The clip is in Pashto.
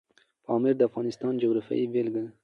پامیر د افغانستان د جغرافیې بېلګه ده.